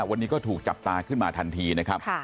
วันนี้ก็ถูกจับตาขึ้นมาทันทีนะครับ